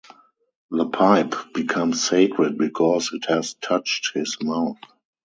The pipe becomes sacred because it has touched his mouth.